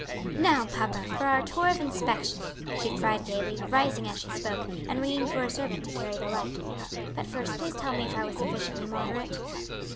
"Now, papa, for our tour of inspection," she cried gayly, rising as she spoke, and ringing for a servant to carry the light. "But first please tell me if I was sufficiently moderate."